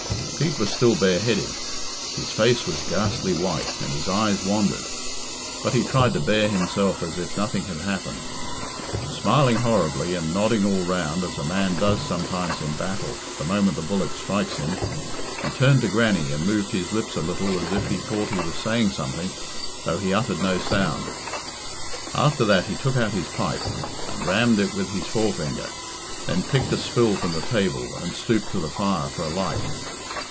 Pete was still bareheaded, his face was ghastly white, and his eyes wandered, but he tried to bear himself as if nothing had happened. Smiling horribly, and nodding all round, as a man does sometimes in battle the moment the bullet strikes him, he turned to Grannie and moved his lips a little as if he thought he was saying something, though he uttered no sound. After that he took out his pipe, and rammed it with his forefinger, then picked a spill from the table, and stooped to the fire for a light.